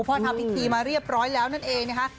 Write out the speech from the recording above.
เพราะทำพิธีมาเรียบร้อยแล้วนั่นเองนะคะ